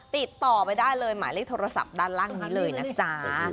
ติดต่อไปได้เลยหมายเลขโทรศัพท์ด้านล่างนี้เลยนะจ๊ะ